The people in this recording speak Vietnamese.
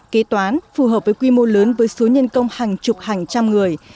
kế toán phù hợp với quy mô lớn với số nhân công hàng chục hàng trăm người